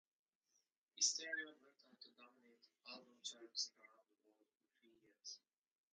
"Hysteria" went on to dominate album charts around the world for three years.